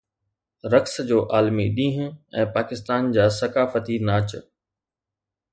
رقص جو عالمي ڏينهن ۽ پاڪستان جا ثقافتي ناچ